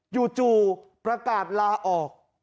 อยู่ประกาศลาออก